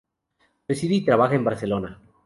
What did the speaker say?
Reside y trabaja en Barcelona.